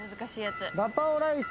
ガパオライス。